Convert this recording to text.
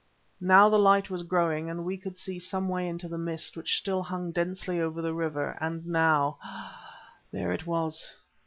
Now the light was growing, and we could see some way into the mist which still hung densely over the river, and now—ah! there it was.